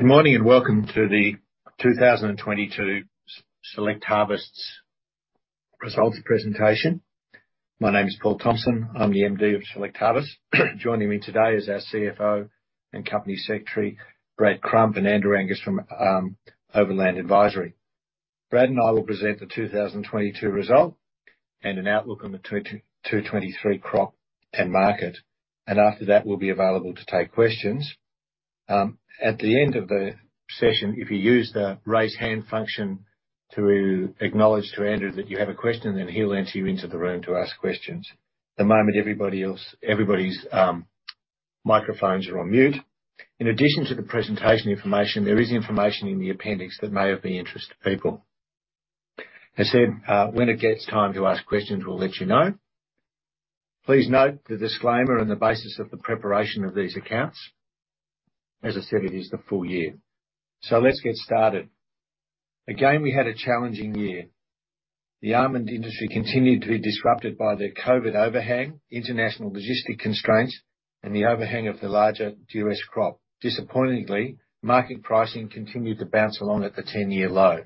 Good morning, welcome to the 2022 Select Harvests results presentation. My name is Paul Thompson. I'm the MD of Select Harvests. Joining me today is our CFO and Company Secretary, Brad Crump, and Andrew Angus from Overland Advisory. Brad and I will present the 2022 result and an outlook on the 2022-2023 crop and market. After that, we'll be available to take questions. At the end of the session, if you use the raise hand function to acknowledge to Andrew that you have a question, he'll let you into the room to ask questions. At the moment, everybody's microphones are on mute. In addition to the presentation information, there is information in the appendix that may be of interest to people. As said, when it gets time to ask questions, we'll let you know. Please note the disclaimer and the basis of the preparation of these accounts. As I said, it is the full year. Let's get started. Again, we had a challenging year. The almond industry continued to be disrupted by the COVID overhang, international logistic constraints, and the overhang of the larger US crop. Disappointingly, market pricing continued to bounce along at the 10-year low.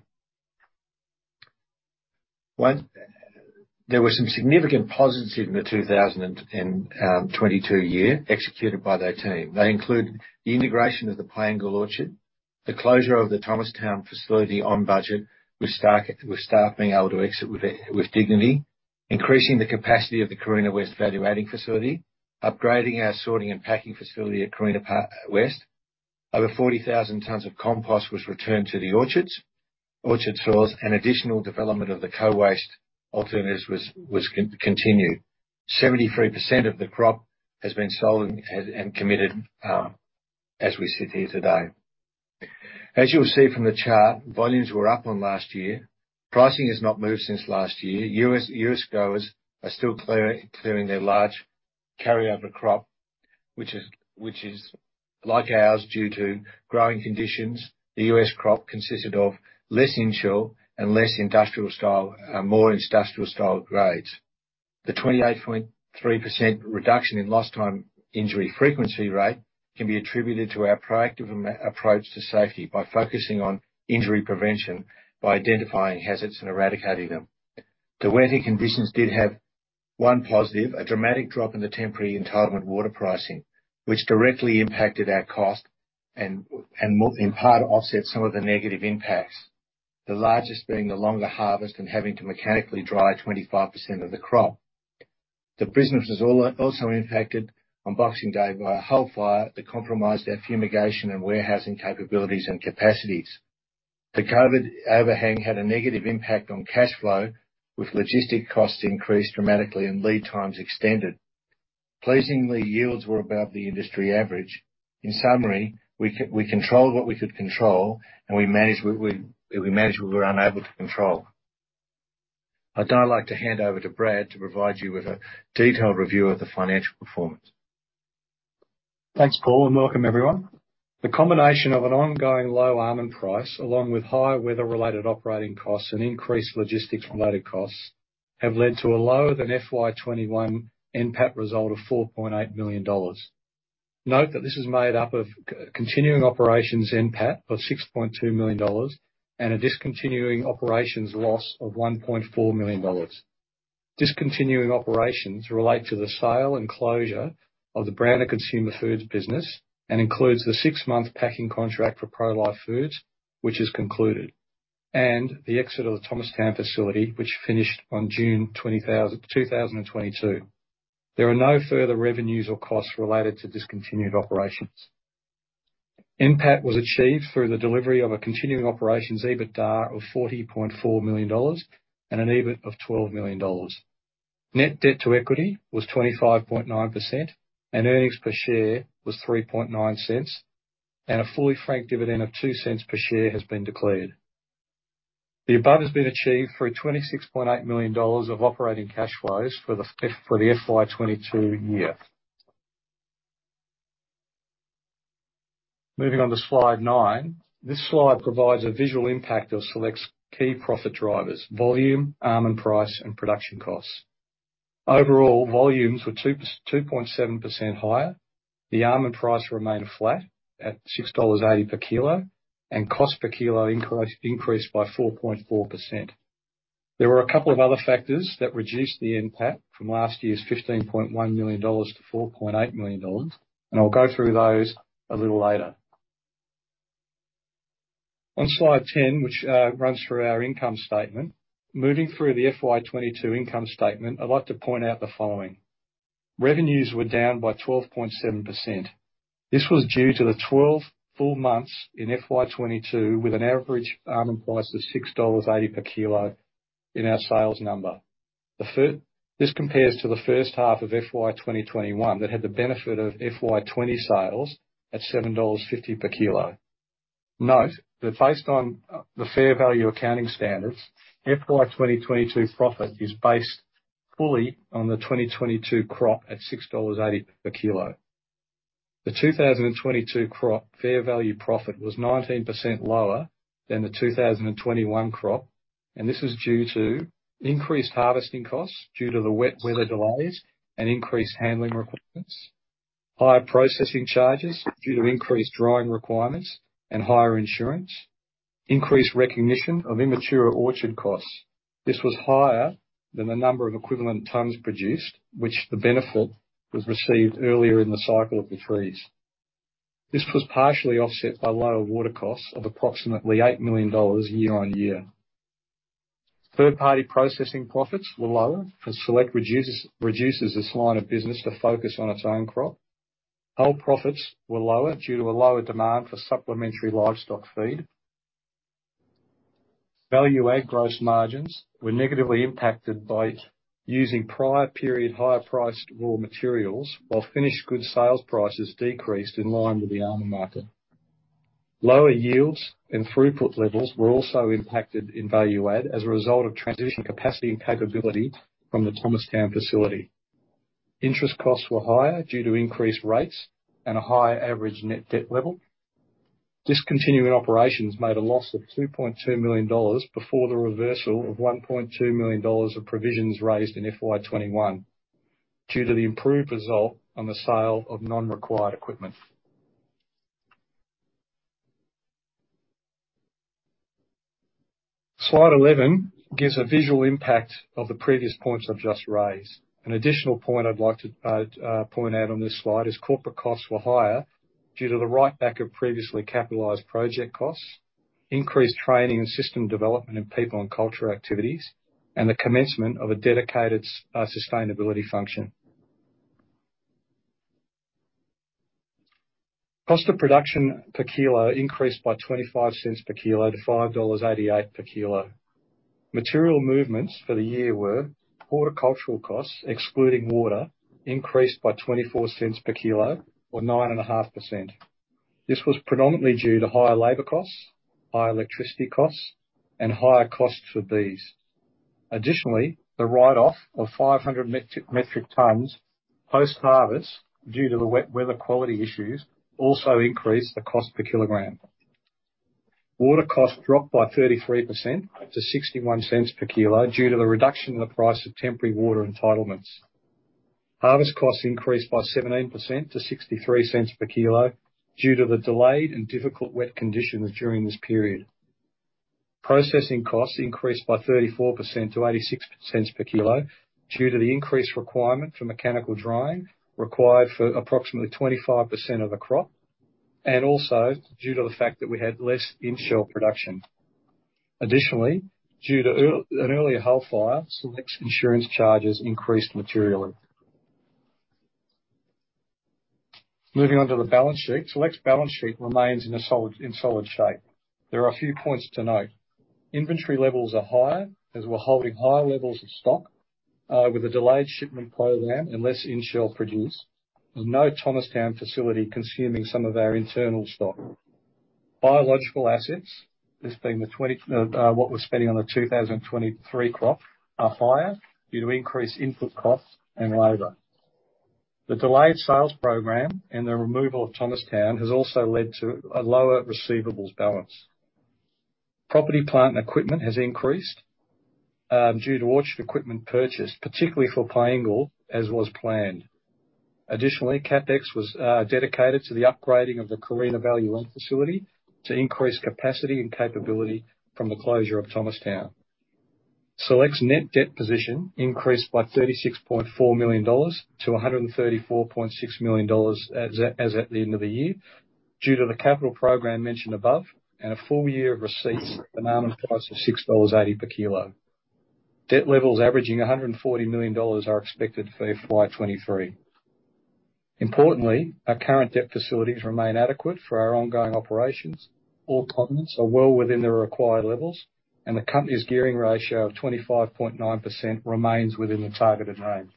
One, there were some significant positives in the 2022 year executed by their team. They include the integration of the Piangil Orchard, the closure of the Thomastown facility on budget with staff being able to exit with dignity, increasing the capacity of the Carina West value adding facility, upgrading our sorting and packing facility at Carina West. Over 40,000 tons of compost was returned to the orchards, orchard soils and additional development of the co-waste alternatives was continued. 73% of the crop has been sold and committed as we sit here today. As you'll see from the chart, volumes were up on last year. Pricing has not moved since last year. US growers are still clearing their large carryover crop, which is like ours due to growing conditions. The US crop consisted of less inshell and less industrial style, more industrial style grades. The 28.3% reduction in lost time injury frequency rate can be attributed to our proactive approach to safety by focusing on injury prevention by identifying hazards and eradicating them. The weather conditions did have one positive, a dramatic drop in the temporary entitlement water pricing, which directly impacted our cost and in part offsets some of the negative impacts, the largest being the longer harvest and having to mechanically dry 25% of the crop. The business was also impacted on Boxing Day by a hull fire that compromised our fumigation and warehousing capabilities and capacities. The COVID overhang had a negative impact on cash flow, with logistic costs increased dramatically and lead times extended. Pleasingly, yields were above the industry average. In summary, we controlled what we could control and we managed what we managed what we were unable to control. I'd now like to hand over to Brad to provide you with a detailed review of the financial performance. Thanks, Paul, and welcome everyone. The combination of an ongoing low almond price along with higher weather-related operating costs and increased logistics-related costs have led to a lower than FY 2021 NPAT result of 4.8 million dollars. Note that this is made up of continuing operations NPAT of 6.2 million dollars and a discontinuing operations loss of 1.4 million dollars. Discontinuing operations relate to the sale and closure of the Brand Consumer Foods business and includes the six-month packing contract for Prolife Foods, which is concluded, and the exit of the Thomastown facility, which finished on June 2022. There are no further revenues or costs related to discontinued operations. NPAT was achieved through the delivery of a continuing operations EBITDA of 40.4 million dollars and an EBIT of 12 million dollars. Net debt to equity was 25.9% and earnings per share was 0.039. A fully franked dividend of 0.02 per share has been declared. The above has been achieved through 26.8 million dollars of operating cash flows for the FY 2022 year. Moving on to slide 9. This slide provides a visual impact of Select's key profit drivers: volume, almond price, and production costs. Overall, volumes were 2.7% higher. The almond price remained flat at AUD 6.80 per kilo. Cost per kilo increased by 4.4%. There were a couple of other factors that reduced the NPAT from last year's 15.1 million dollars to 4.8 million dollars. I'll go through those a little later. On slide 10, which runs through our income statement. Moving through the FY22 income statement, I'd like to point out the following. Revenues were down by 12.7%. This was due to the 12 full months in FY22 with an average almond price of 6.80 dollars per kilo in our sales number. This compares to the first half of FY21 that had the benefit of FY20 sales at 7.50 dollars per kilo. Note that based on the fair value accounting standards, FY22 profit is based fully on the 2022 crop at 6.80 dollars per kilo. The 2022 crop fair value profit was 19% lower than the 2021 crop. This is due to increased harvesting costs due to the wet weather delays and increased handling requirements. Higher processing charges due to increased drying requirements and higher insurance. Increased recognition of immature orchard costs. This was higher than the number of equivalent tons produced, which the benefit was received earlier in the cycle of the trees. This was partially offset by lower water costs of approximately 8 million dollars year-on-year. Third-party processing profits were lower as Select reduces this line of business to focus on its own crop. Whole profits were lower due to a lower demand for supplementary livestock feed. Value add gross margins were negatively impacted by using prior period higher-priced raw materials, while finished goods sales prices decreased in line with the almond market. Lower yields and throughput levels were also impacted in value add as a result of transitioning capacity and capability from the Thomastown facility. Interest costs were higher due to increased rates and a higher average net debt level. Discontinuing operations made a loss of 2.2 million dollars before the reversal of 1.2 million dollars of provisions raised in FY21 due to the improved result on the sale of non-required equipment. Slide 11 gives a visual impact of the previous points I've just raised. An additional point I'd like to point out on this slide is corporate costs were higher due to the write-back of previously capitalized project costs, increased training and system development in people and cultural activities, and the commencement of a dedicated sustainability function. Cost of production per kilo increased by 0.25 per kilo to 5.88 dollars per kilo. Material movements for the year were: horticultural costs, excluding water, increased by 0.24 per kilo or 9.5%. This was predominantly due to higher labor costs, higher electricity costs, and higher costs for bees. Additionally, the write-off of 500 metric tons post-harvest due to the wet weather quality issues also increased the cost per kilogram. Water costs dropped by 33% to 0.61 per kilo due to the reduction in the price of temporary water entitlements. Harvest costs increased by 17% to 0.63 per kilo due to the delayed and difficult wet conditions during this period. Processing costs increased by 34% to 0.86 per kilo due to the increased requirement for mechanical drying required for approximately 25% of the crop, and also due to the fact that we had less in-shell production. Additionally, due to an earlier hail fire, Select's insurance charges increased materially. Moving on to the balance sheet. Select's balance sheet remains in solid shape. There are a few points to note. Inventory levels are higher as we're holding higher levels of stock with a delayed shipment program and less in-shell produced. There's no Thomastown facility consuming some of our internal stock. Biological assets, what we're spending on the 2023 crop, are higher due to increased input costs and labor. The delayed sales program and the removal of Thomastown has also led to a lower receivables balance. Property, plant, and equipment has increased due to orchard equipment purchase, particularly for Piangil, as was planned. Additionally, CapEx was dedicated to the upgrading of the Carina value add facility to increase capacity and capability from the closure of Thomastown. Select's net debt position increased by 36.4 million dollars to 134.6 million dollars as at the end of the year, due to the capital program mentioned above and a full year of receipts at an average price of 6.80 dollars per kilo. Debt levels averaging 140 million dollars are expected for FY 2023. Importantly, our current debt facilities remain adequate for our ongoing operations. All covenants are well within their required levels, and the company's gearing ratio of 25.9% remains within the targeted range.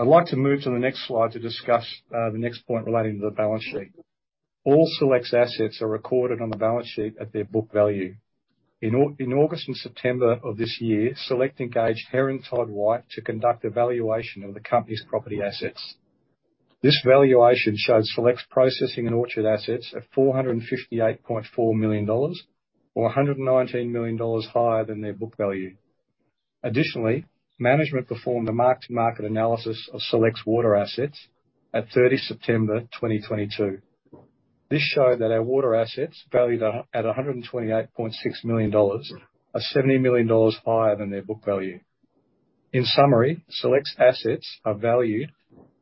I'd like to move to the next slide to discuss the next point relating to the balance sheet. All Select's assets are recorded on the balance sheet at their book value. In August and September of this year, Select engaged Herron Todd White to conduct a valuation of the company's property assets. This valuation shows Select's processing and orchard assets at 458.4 million dollars or 119 million dollars higher than their book value. Additionally, management performed a mark-to-market analysis of Select's water assets at 30 September 2022. This showed that our water assets, valued at 128.6 million dollars, are 70 million dollars higher than their book value. In summary, Select's assets are valued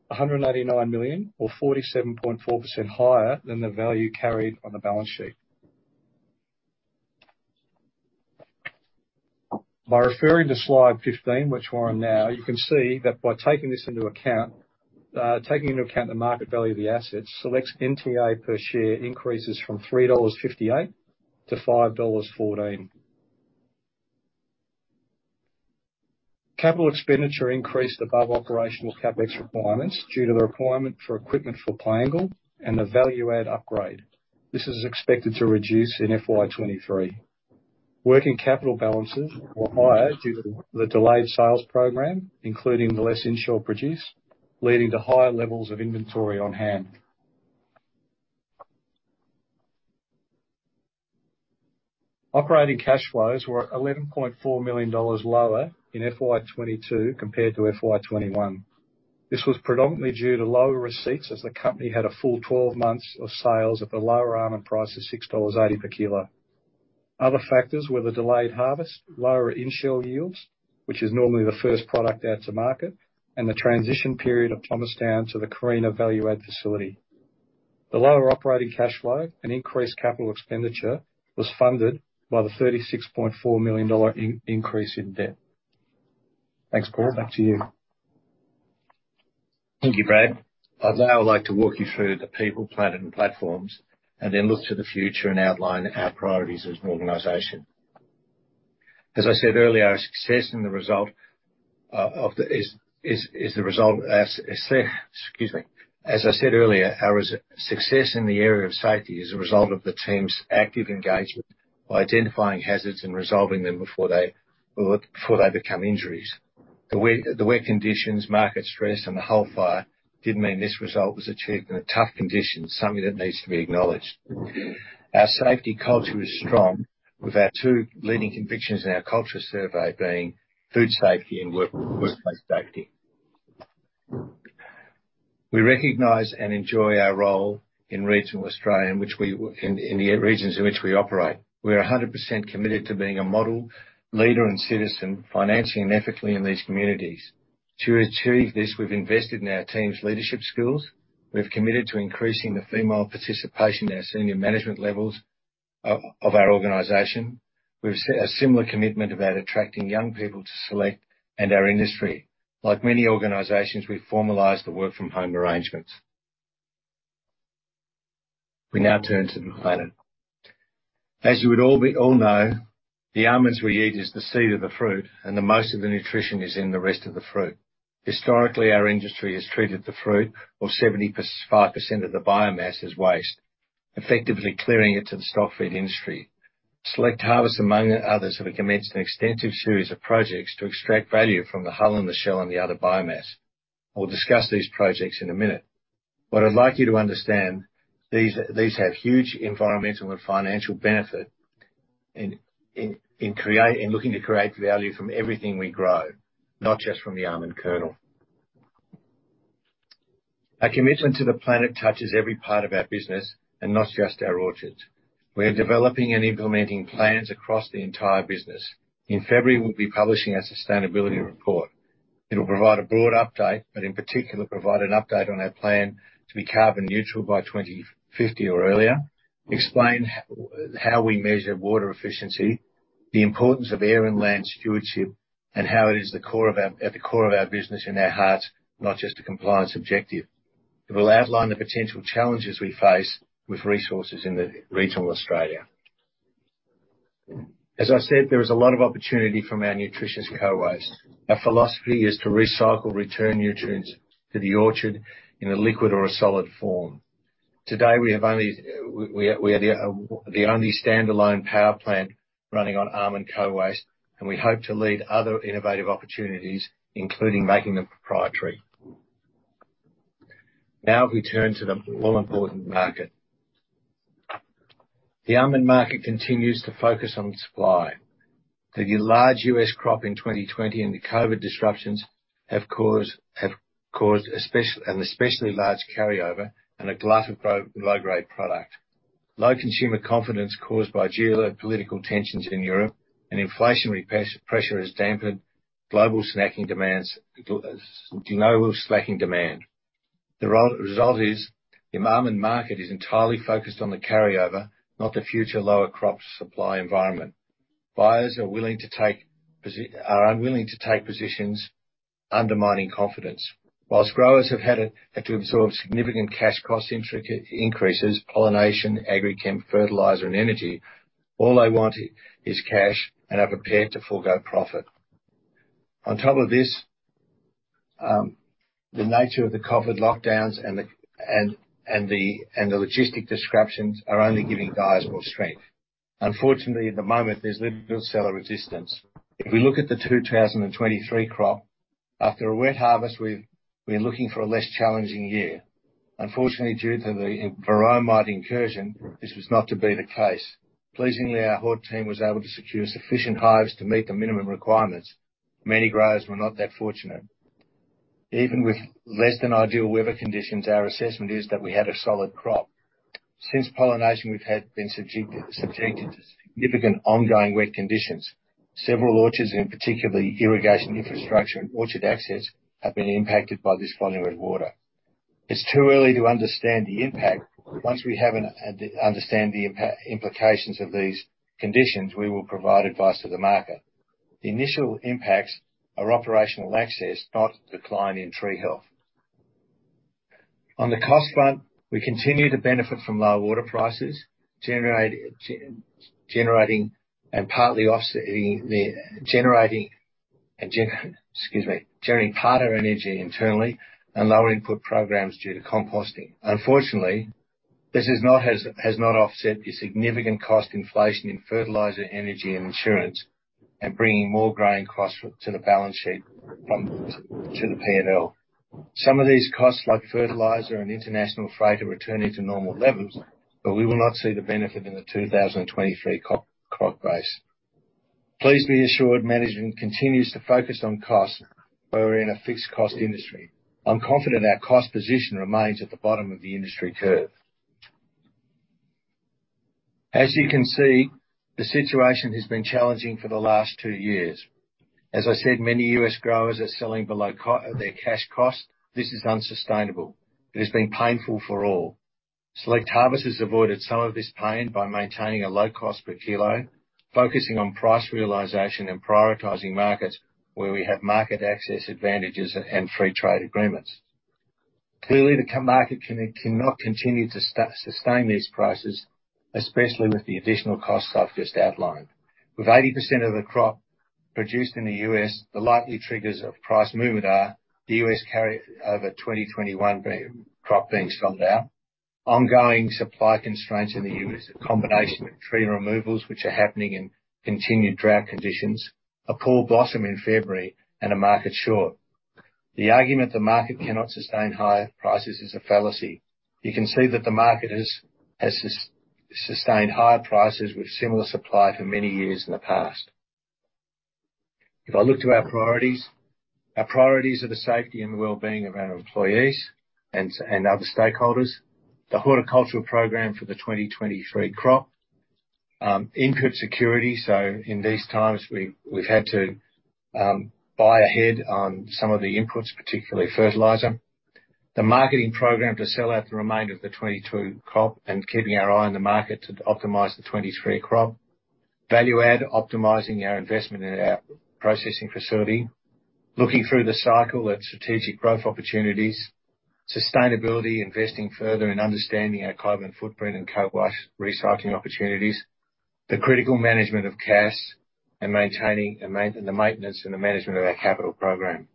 189 million or 47.4% higher than the value carried on the balance sheet. By referring to slide 15, which we're on now, you can see that by taking this into account, taking into account the market value of the assets, Select's NTA per share increases from 3.58 dollars to 5.14 dollars. Capital expenditure increased above operational CapEx requirements due to the requirement for equipment for Piangil and the value add upgrade. This is expected to reduce in FY 2023. Working capital balances were higher due to the delayed sales program, including the less in-shell produce, leading to higher levels of inventory on hand. Operating cash flows were AUD 11.4 million lower in FY 2022 compared to FY 2021. This was predominantly due to lower receipts as the company had a full 12 months of sales at the lower almond price of 6.80 dollars per kilo. Other factors were the delayed harvest, lower in-shell yields, which is normally the first product out to market, and the transition period of Palmerston to the Carina value add facility. The lower operating cash flow and increased capital expenditure was funded by the 36.4 million dollar in-increase in debt. Thanks, Paul. Back to you. Thank you, Brad. I'd now like to walk you through the people, planet and platforms and then look to the future and outline our priorities as an organization. As I said earlier, our success in the area of safety is a result of the team's active engagement by identifying hazards and resolving them before they become injuries. The wet conditions, market stress and the hull fire did mean this result was achieved in a tough condition, something that needs to be acknowledged. Our safety culture is strong with our two leading convictions in our culture survey being food safety and workplace safety. We recognize and enjoy our role in regional Australia, in the regions in which we operate. We are 100% committed to being a model leader and citizen, financially and ethically in these communities. To achieve this, we've invested in our team's leadership skills. We've committed to increasing the female participation in our senior management levels of our organization. We've set a similar commitment about attracting young people to Select and our industry. Like many organizations, we formalize the work from home arrangements. We now turn to the planet. As you would all know, the almonds we eat is the seed of the fruit, and the most of the nutrition is in the rest of the fruit. Historically, our industry has treated the fruit of 75% of the biomass as waste, effectively clearing it to the stock feed industry. Select Harvests, among others, have commenced an extensive series of projects to extract value from the hull and the shell and the other biomass. I'll discuss these projects in a minute, I'd like you to understand these have huge environmental and financial benefit in looking to create value from everything we grow, not just from the almond kernel. Our commitment to the planet touches every part of our business and not just our orchards. We are developing and implementing plans across the entire business. In February, we'll be publishing our sustainability report. It'll provide a broad update, but in particular, provide an update on our plan to be carbon neutral by 2050 or earlier, explain how we measure water efficiency, the importance of air and land stewardship, and how it is at the core of our business in our hearts, not just a compliance objective. As I said, there is a lot of opportunity from our nutritious co-waste. Our philosophy is to recycle, return nutrients to the orchard in a liquid or a solid form. Today, we have only, we are the only standalone power plant running on almond co-waste, we hope to lead other innovative opportunities, including making them proprietary. Now, we turn to the all-important market. The almond market continues to focus on supply. The large US crop in 2020 and the COVID disruptions have caused an especially large carryover and a glut of low grade product. Low consumer confidence caused by geopolitical tensions in Europe and inflationary pressure has dampened global snacking demand. The result is the almond market is entirely focused on the carryover, not the future lower crop supply environment. Buyers are unwilling to take positions undermining confidence. Whilst growers have had to absorb significant cash cost increases, pollination, agrichem, fertilizer and energy, all they want is cash and are prepared to forgo profit. On top of this, the nature of the COVID lockdowns and the logistic disruptions are only giving buyers more strength. Unfortunately, at the moment there's little seller resistance. If we look at the 2023 crop, after a wet harvest, we are looking for a less challenging year. Unfortunately, due to the Varroa mite incursion, this was not to be the case. Pleasingly, our horde team was able to secure sufficient hives to meet the minimum requirements. Many growers were not that fortunate. Even with less than ideal weather conditions, our assessment is that we had a solid crop. Since pollination we've been subjected to significant ongoing wet conditions. Several orchards, and particularly irrigation infrastructure and orchard access, have been impacted by this volume of water. It's too early to understand the impact. Once we understand the implications of these conditions, we will provide advice to the market. The initial impacts are operational access, not decline in tree health. On the cost front, we continue to benefit from low water prices, generating part of our energy internally and lower input programs due to composting. Unfortunately, this has not offset the significant cost inflation in fertilizer, energy, and insurance and bringing more grain costs to the balance sheet to the P&L. Some of these costs, like fertilizer and international freight, are returning to normal levels, we will not see the benefit in the 2023 crop base. Please be assured, management continues to focus on costs where we're in a fixed cost industry. I'm confident our cost position remains at the bottom of the industry curve. As you can see, the situation has been challenging for the last two years. As I said, many US growers are selling below their cash cost. This is unsustainable. It has been painful for all. Select Harvests has avoided some of this pain by maintaining a low cost per kilo, focusing on price realization, and prioritizing markets where we have market access advantages and free trade agreements. Clearly, the market cannot continue to sustain these prices, especially with the additional costs I've just outlined. With 80% of the crop produced in the U.S., the likely triggers of price movement are: the U.S. carry over 2021 crop being stomped out, ongoing supply constraints in the U.S., a combination of tree removals which are happening in continued drought conditions, a poor blossom in February, and a market short. The argument the market cannot sustain higher prices is a fallacy. You can see that the market has sustained higher prices with similar supply for many years in the past. If I look to our priorities, our priorities are the safety and the well-being of our employees and other stakeholders. The horticultural program for the 2023 crop. Input security. In these times we've had to buy ahead on some of the inputs, particularly fertilizer. The marketing program to sell out the remainder of the 22 crop and keeping our eye on the market to optimize the 23 crop. Value add, optimizing our investment in our processing facility. Looking through the cycle at strategic growth opportunities. Sustainability, investing further in understanding our carbon footprint and co-waste recycling opportunities. The critical management of cash and maintaining and the maintenance and the management of our capital program.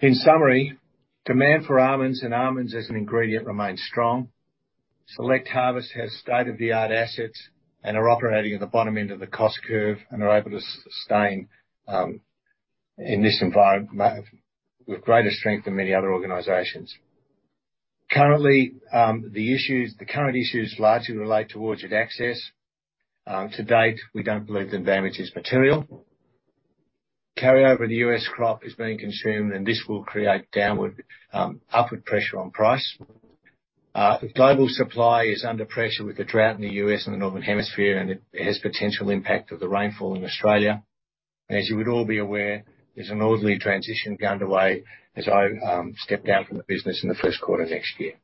In summary, demand for almonds and almonds as an ingredient remains strong. Select Harvests has state-of-the-art assets and are operating at the bottom end of the cost curve and are able to sustain in this environment with greater strength than many other organizations. Currently, the issues, the current issues largely relate to orchard access. To date, we don't believe the damage is material. Carry over the US crop is being consumed. This will create downward upward pressure on price. Global supply is under pressure with the drought in the US and the northern hemisphere. It has potential impact of the rainfall in Australia. As you would all be aware, there's an orderly transition underway as I step down from the business in the first quarter next year.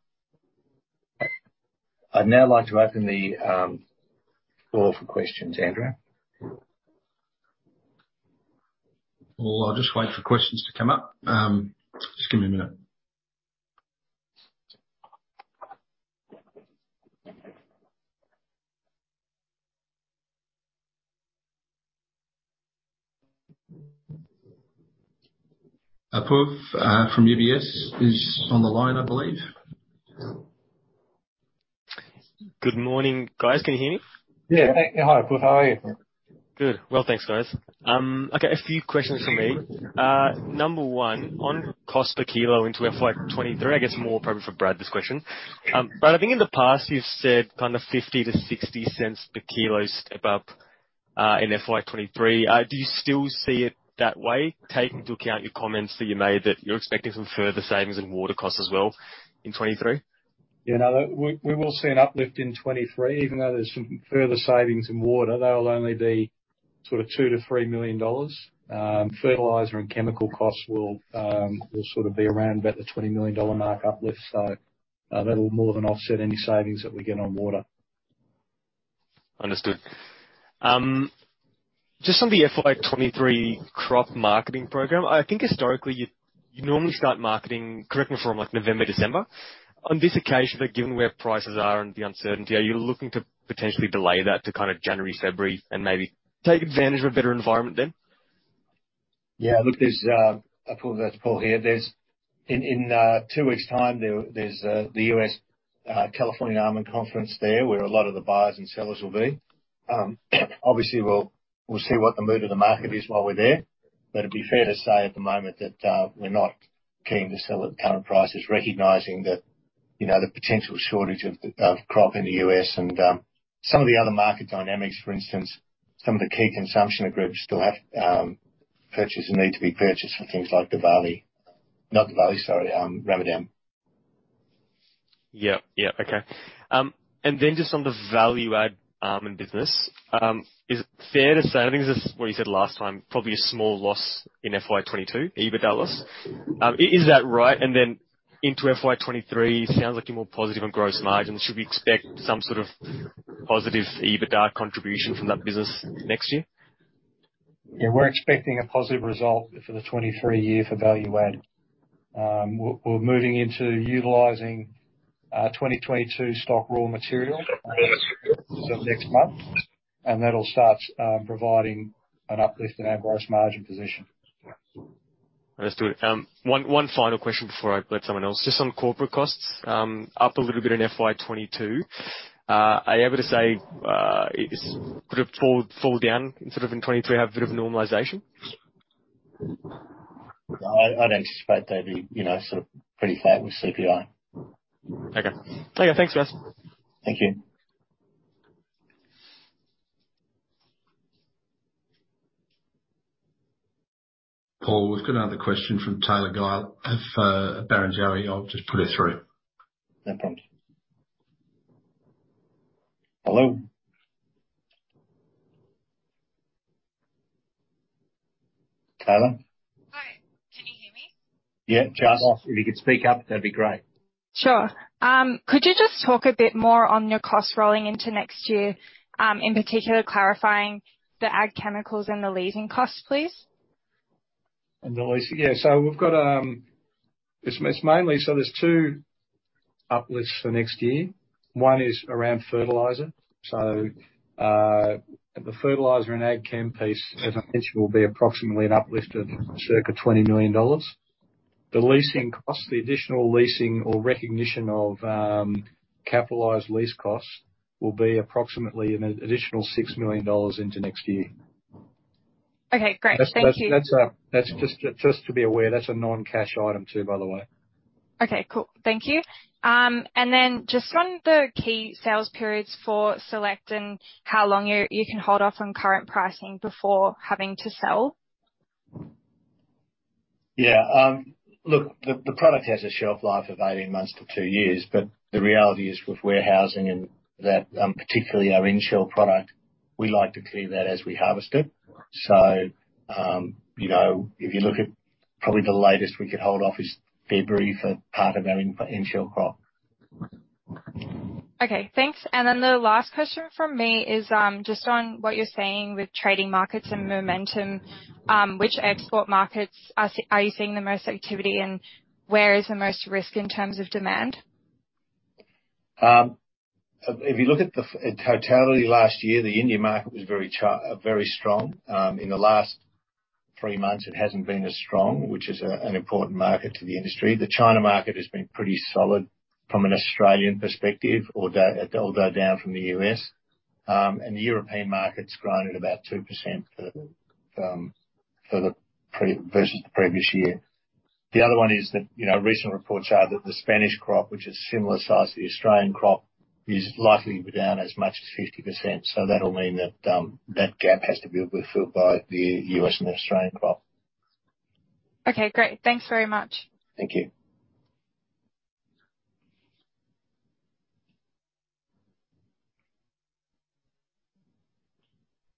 I'd now like to open the floor for questions. Andrew? I'll just wait for questions to come up. Just give me a minute. Apoorv from UBS is on the line, I believe. Good morning, guys. Can you hear me? Yeah. Hi, Apoorv. How are you? Good. Well, thanks, guys. Okay, a few questions from me. Number one, on cost per kilo into FY 2023, I guess more probably for Brad, this question. I think in the past you've said kind of 0.50-0.60 per kilo step up in FY 2023. Do you still see it that way, taking into account your comments that you made, that you're expecting some further savings in water costs as well in 2023? Yeah, no, we will see an uplift in 2023. Even though there's some further savings in water, they'll only be sort of 2 million-3 million dollars. Fertilizer and chemical costs will sort of be around about the 20 million dollar mark uplift. That'll more than offset any savings that we get on water. Understood. Just on the FY 23 crop marketing program, I think historically you normally start marketing, correct me if I'm wrong, like November, December. On this occasion, given where prices are and the uncertainty, are you looking to potentially delay that to kind of January, February and maybe take advantage of a better environment then? Yeah. Look, there's Apoorv, that's Paul here. In two weeks' time, there's the U.S. California Almond Conference there, where a lot of the buyers and sellers will be. Obviously, we'll see what the mood of the market is while we're there. It'd be fair to say at the moment that we're not keen to sell at the current prices, recognizing that, you know, the potential shortage of crop in the U.S. and some of the other market dynamics. For instance, some of the key consumption groups still have purchases need to be purchased for things like Diwali. Not Diwali, sorry, Ramadan. Yeah. Yeah. Okay. Just on the value add almond business, is it fair to say, I think this is what you said last time, probably a small loss in FY 2022, EBITDA loss. Is that right? Into FY 2023, sounds like you're more positive on gross margins. Should we expect some sort of positive EBITDA contribution from that business next year? Yeah, we're expecting a positive result for the 2023 year for value add. We're moving into utilizing 2022 stock raw material next month, and that'll start providing an uplift in our gross margin position. Understood. One final question before I let someone else. Just on corporate costs, up a little bit in FY 2022. Are you able to say, could it fall down sort of in 2023, have a bit of normalization? I'd anticipate they'd be, you know, sort of pretty flat with CPI. Okay. Okay. Thanks, guys. Thank you. Paul, we've got another question from Taylor Giles of Barrenjoey. I'll just put her through. No problem. Hello, Taylor. Hi. Can you hear me? Yeah, just if you could speak up, that'd be great. Sure. Could you just talk a bit more on your costs rolling into next year, in particular clarifying the ag chemicals and the leasing costs, please. The leasing. Yeah. We've got. It's mainly, so there's two uplifts for next year. One is around fertilizer. The fertilizer and ag chem piece, as I mentioned, will be approximately an uplift of circa 20 million dollars. The leasing cost, the additional leasing or recognition of capitalized lease costs will be approximately an additional 6 million dollars into next year. Okay, great. Thank you. That's just to be aware, that's a non-cash item too, by the way. Okay, cool. Thank you. Then just on the key sales periods for selecting how long you can hold off on current pricing before having to sell? Yeah. look, the product has a shelf life of 18 months to two years. The reality is with warehousing and that, particularly our in-shell product, we like to clear that as we harvest it. you know, if you look at probably the latest we could hold off is February for part of our in-shell crop. Okay, thanks. The last question from me is, just on what you're seeing with trading markets and momentum, which export markets are you seeing the most activity and where is the most risk in terms of demand? If you look at the in totality last year, the India market was very strong. In the last three months, it hasn't been as strong, which is an important market to the industry. The China market has been pretty solid from an Australian perspective, although down from the US. The European market's grown at about 2% for versus the previous year. The other one is that, you know, recent reports are that the Spanish crop, which is similar size to the Australian crop, is likely to be down as much as 50%. That'll mean that gap has to be filled by the US and the Australian crop. Okay, great. Thanks very much. Thank you.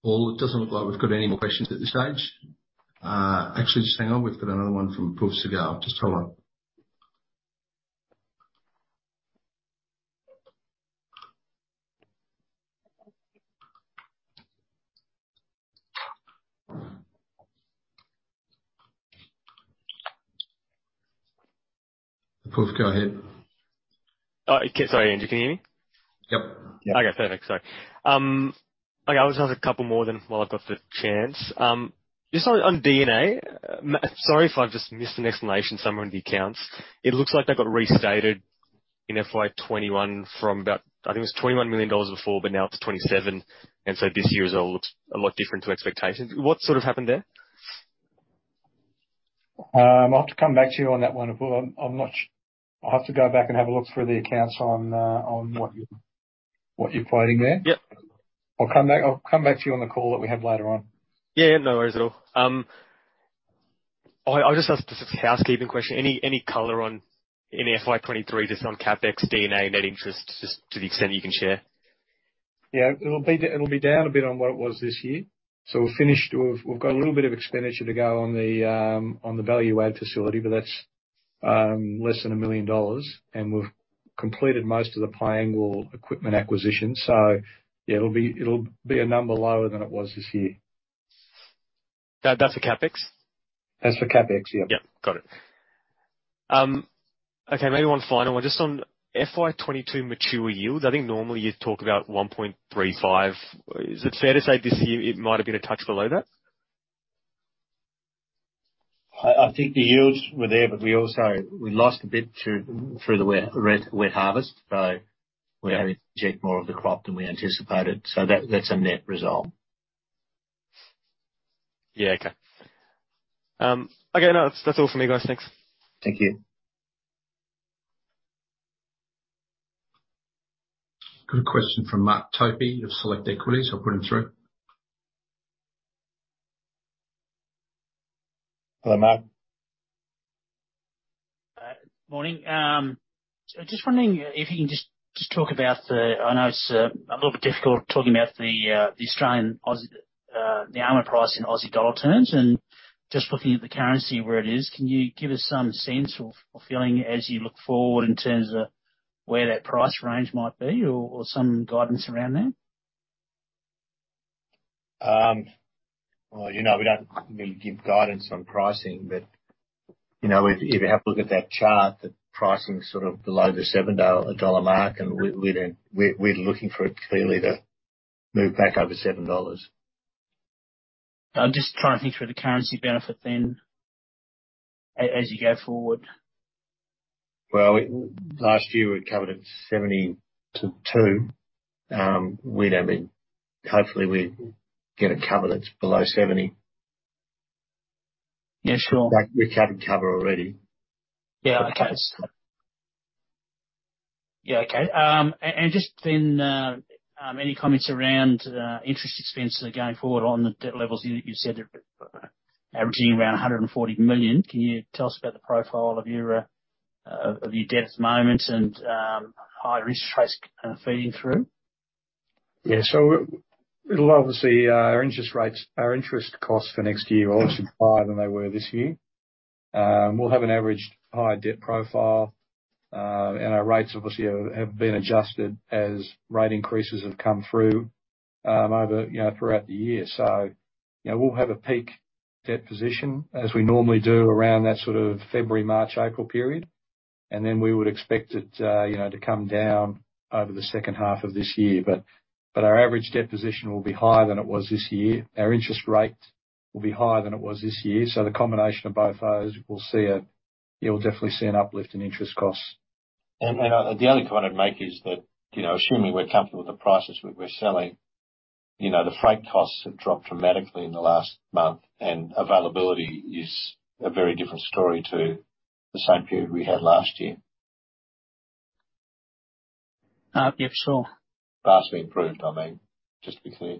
Well, it doesn't look like we've got any more questions at this stage. Actually, just hang on. We've got another one from Apoorv Bordia. Just hold on. Apoorv, go ahead. Oh, sorry, Andrew. Can you hear me? Yep. Perfect. Sorry. I'll just ask a couple more then while I've got the chance. Just on D&A. Sorry if I've just missed an explanation somewhere in the accounts. It looks like that got restated in FY 2021 from about, I think it was 21 million dollars before, now it's 27 million. This year's result looks a lot different to expectations. What sort of happened there? I'll have to come back to you on that one, Apoorv. I'll have to go back and have a look through the accounts on what you're quoting there. Yep. I'll come back to you on the call that we have later on. Yeah. No worries at all. I'll just ask just a housekeeping question. Any color on any FY 2023, just on CapEx, D&A, net interest, just to the extent that you can share? Yeah. It'll be down a bit on what it was this year. We've finished. We've got a little bit of expenditure to go on the value add facility, but that's less than 1 million dollars. We've completed most of the Piangil equipment acquisition. Yeah, it'll be a number lower than it was this year. That's for CapEx? That's for CapEx, yep. Yep. Got it. Okay, maybe one final one just on FY22 mature yields. I think normally you'd talk about 1.35. Is it fair to say this year it might have been a touch below that? I think the yields were there, but we also, we lost a bit through the wet harvest, so we had to reject more of the crop than we anticipated. That's a net result. Yeah. Okay. No, that's all from me, guys. Thanks. Thank you. Got a question from Mark Topy of Select Equities. I'll put him through. Hello, Matt. Morning. Just wondering if you can just talk about the... I know it's a little bit difficult talking about the Australian Aussie, the almond price in Aussie dollar terms. Just looking at the currency where it is, can you give us some sense or feeling as you look forward in terms of where that price range might be or some guidance around that? Well, you know, we don't really give guidance on pricing. You know, if you have a look at that chart, the pricing's sort of below the 7 dollar mark. We're looking for it clearly to move back over 7 dollars. I'm just trying to think through the currency benefit then as you go forward. Well, last year we covered at 72. Hopefully we get a cover that's below 70. Yeah, sure. Like, we've capped cover already. Yeah. Okay. Yeah. Okay. Just then, any comments around interest expenses going forward on the debt levels that you said are averaging around 140 million. Can you tell us about the profile of your debt at the moment and higher interest rates feeding through? Yeah. It'll obviously, our interest rates, our interest costs for next year are obviously higher than they were this year. We'll have an average high debt profile, and our rates obviously have been adjusted as rate increases have come through over, you know, throughout the year. You know, we'll have a peak debt position as we normally do around that sort of February, March, April period. Then we would expect it, you know, to come down over the second half of this year. But our average debt position will be higher than it was this year. Our interest rate will be higher than it was this year. The combination of both those, you'll definitely see an uplift in interest costs. The only comment I'd make is that, you know, assuming we're comfortable with the prices we're selling, you know, the freight costs have dropped dramatically in the last month, and availability is a very different story to the same period we had last year. Yep, sure. Vastly improved, I mean, just to be clear.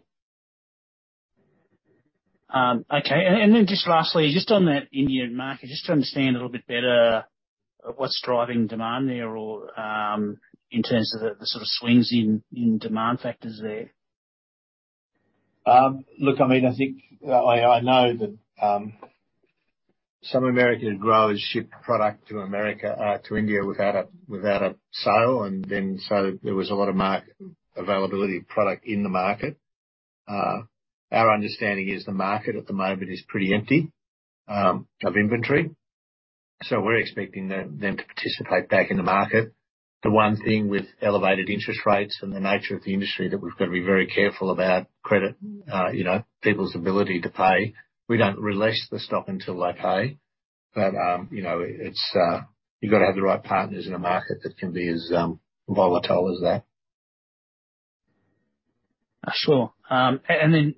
Okay. Then just lastly, just on that India market, just to understand a little bit better what's driving demand there or, in terms of the sort of swings in demand factors there? Look, I mean, I think I know that some American growers ship product to America, to India without a, without a sale. There was a lot of availability of product in the market. Our understanding is the market at the moment is pretty empty of inventory, so we're expecting them to participate back in the market. The one thing with elevated interest rates and the nature of the industry that we've got to be very careful about credit, you know, people's ability to pay. We don't release the stock until they pay. You know, it's, you've got to have the right partners in a market that can be as volatile as that. Sure. Maybe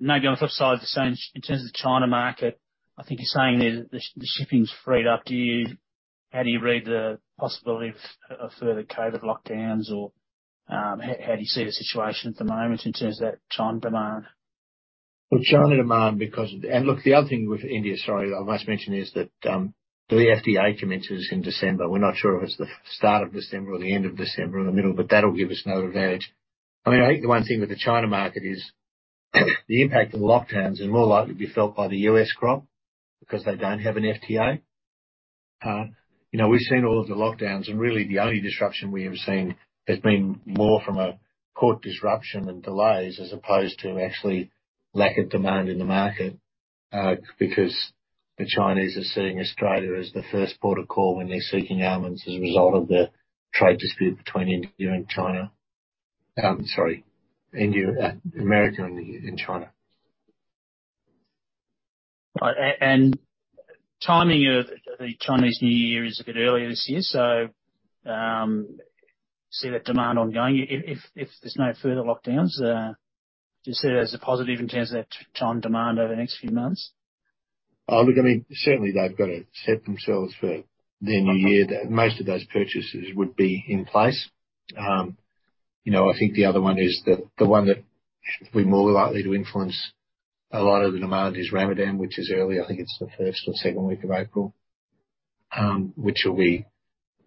on the flip side, just saying in terms of the China market, I think you're saying the shipping's freed up. How do you read the possibility of further COVID lockdowns or, how do you see the situation at the moment in terms of that China demand? Well, China demand because. Look, the other thing with India, sorry, I must mention, is that the FTA commences in December. We're not sure if it's the start of December or the end of December or the middle, but that'll give us another advantage. I mean, I think the one thing with the China market is, the impact of lockdowns is more likely to be felt by the U.S. crop because they don't have an FTA. You know, we've seen all of the lockdowns, and really the only disruption we have seen has been more from a port disruption and delays as opposed to actually lack of demand in the market, because the Chinese are seeing Australia as the first port of call when they're seeking almonds as a result of the trade dispute between India and China. Sorry, America and India and China. Timing of the Chinese New Year is a bit earlier this year, so see that demand ongoing. If there's no further lockdowns, do you see that as a positive in terms of that China demand over the next few months? look, I mean, certainly they've got to set themselves for their new year, that most of those purchases would be in place. you know, I think the other one is the one that will be more likely to influence a lot of the demand is Ramadan, which is early. I think it's the first or second week of April, which will be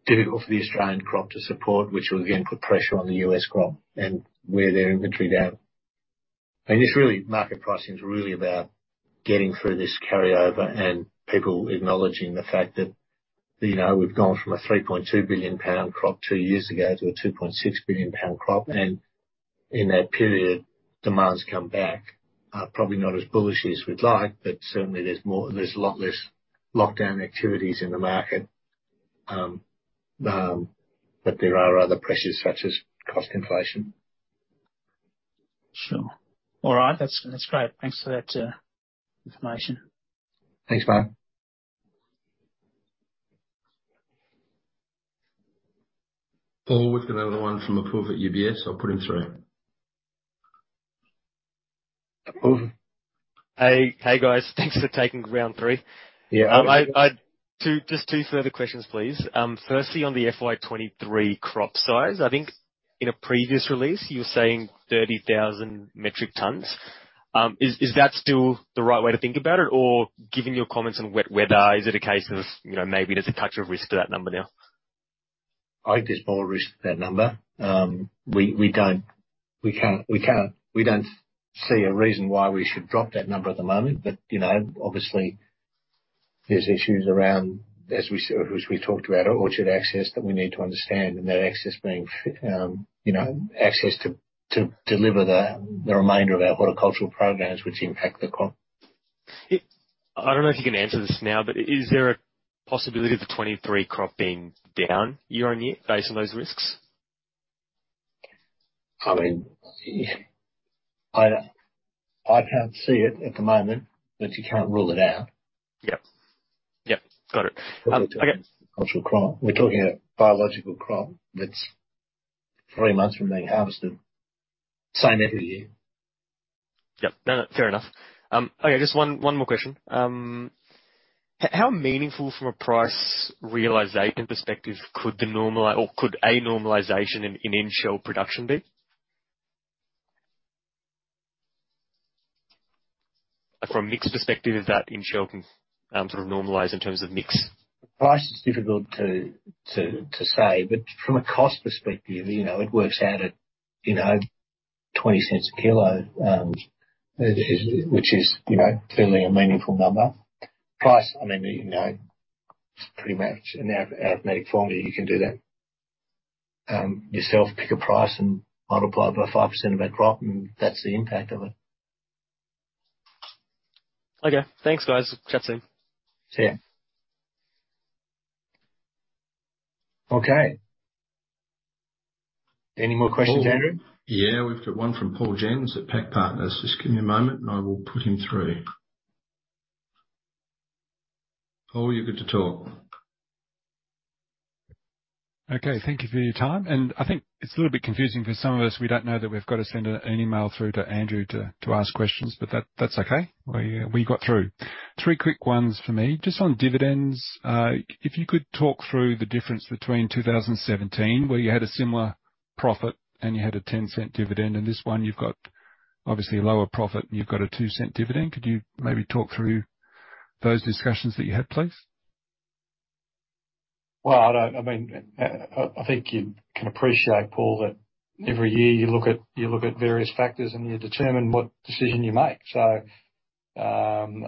difficult for the Australian crop to support, which will again put pressure on the U.S. crop and wear their inventory down. I mean, it's really, market pricing is really about getting through this carryover and people acknowledging the fact that, you know, we've gone from a 3.2 billion pound crop two years ago to a 2.6 billion pound crop. In that period, demand's come back. Probably not as bullish as we'd like, but certainly there's more, there's a lot less lockdown activities in the market. There are other pressures such as cost inflation. Sure. All right. That's, that's great. Thanks for that information. Thanks, Mark Topy. Paul with from Mark Topy at UBS. I'll put him through. Paul. Hey. Hey, guys. Thanks for taking round three. Yeah. two just two further questions, please. Firstly, on the FY 2023 crop size, I think in a previous release you were saying 30,000 metric tons. Is that still the right way to think about it? Or given your comments on weather, is it a case of, you know, maybe there's a touch of risk to that number now? I think there's more risk to that number. We don't see a reason why we should drop that number at the moment. You know, obviously, there's issues around, as we talked about, orchard access that we need to understand, and that access being, you know, access to deliver the remainder of our horticultural programs which impact the crop. I don't know if you can answer this now, but is there a possibility of the 23 crop being down year-on-year based on those risks? I mean, I can't see it at the moment, but you can't rule it out. Yep. Yep. Got it. Okay. Cultural crop. We're talking a biological crop that's three months from being harvested. Same every year. Yep. No, no, fair enough. Okay, just one more question. How meaningful from a price realization perspective could a normalization in in-shell production be? From a mix perspective, is that in-shell can sort of normalize in terms of mix? Price is difficult to say, but from a cost perspective, you know, it works out at, you know, 0.20 a kilo, which is, you know, clearly a meaningful number. Price, I mean, you know, pretty much an arithmetic formula, you can do that yourself. Pick a price and multiply by 5% of our crop, and that's the impact of it. Okay. Thanks, guys. Chat soon. See ya. Okay. Any more questions, Andrew? Yeah, we've got one from Paul Jensz at PAC Partners. Just give me a moment and I will put him through. Paul, you're good to talk. Okay. Thank you for your time. I think it's a little bit confusing for some of us. We don't know that we've got to send an email through to Andrew to ask questions, but that's okay. We got through. Three quick ones for me. Just on dividends, if you could talk through the difference between 2017, where you had a similar profit and you had an 0.10 dividend, and this one you've got obviously a lower profit and you've got an 0.02 dividend. Could you maybe talk through those discussions that you had, please? I don't I mean, I think you can appreciate, Paul, that every year you look at various factors and you determine what decision you make. I mean,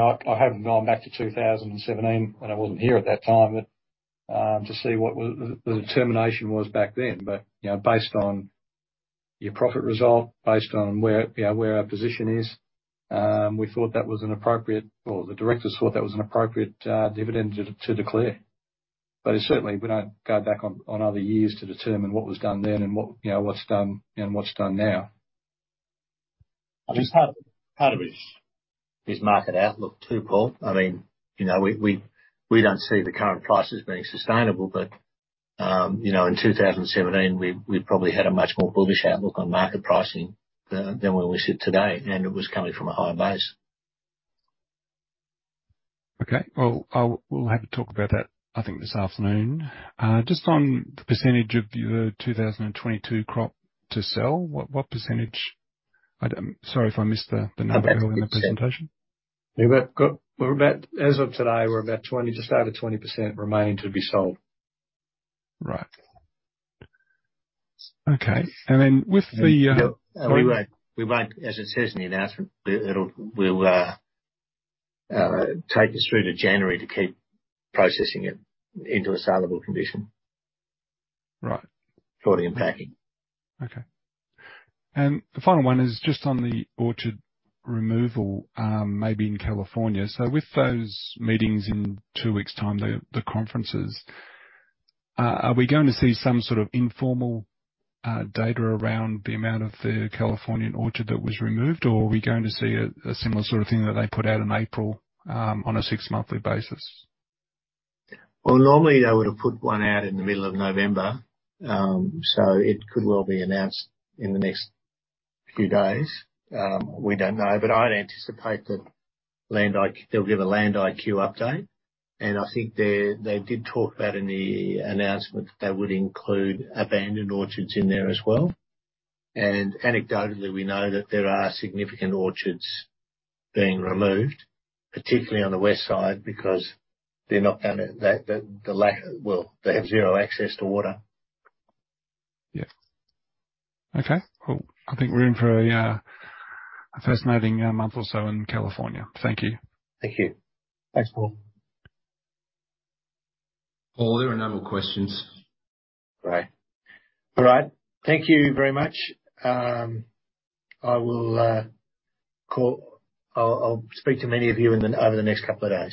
I haven't gone back to 2017 when I wasn't here at that time, but to see what was the determination was back then. You know, based on your profit result, based on where, you know, where our position is, we thought that was an appropriate, or the directors thought that was an appropriate dividend to declare. It's certainly, we don't go back on other years to determine what was done then and what, you know, what's done and what's done now. I mean, it's part of it is market outlook too, Paul. I mean, you know, we don't see the current prices being sustainable, but, you know, in 2017, we probably had a much more bullish outlook on market pricing than where we sit today, and it was coming from a higher base. Okay. Well, I'll, we'll have a talk about that, I think, this afternoon. Just on the % of your 2022 crop to sell, what percentage? I, sorry if I missed the number earlier in the presentation. We're about, as of today, we're about 20, just over 20% remaining to be sold. Right. Okay. With the. We won't, as it says in the announcement, it'll, we'll take us through to January to keep processing it into a sellable condition. Right. Sorting and packing. Okay. The final one is just on the orchard removal, maybe in California. With those meetings in two weeks' time, the conferences, are we going to see some sort of informal data around the amount of the Californian orchard that was removed? Or are we going to see a similar sort of thing that they put out in April on a six-monthly basis? Well, normally, they would have put one out in the middle of November, so it could well be announced in the next few days. We don't know, but I'd anticipate that Land IQ they'll give a Land IQ update. I think they did talk about in the announcement that would include abandoned orchards in there as well. Anecdotally, we know that there are significant orchards being removed, particularly on the west side, because they're not gonna Well, they have zero access to water. Yeah. Okay. Well, I think we're in for a fascinating month or so in California. Thank you. Thank you. Thanks, Paul. Paul, there are no more questions. Great. All right. Thank you very much. I will, I'll speak to many of you in the, over the next couple of days.